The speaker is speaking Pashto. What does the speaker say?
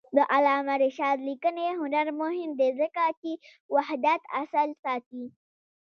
د علامه رشاد لیکنی هنر مهم دی ځکه چې وحدت اصل ساتي.